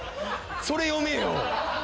それ読めよ。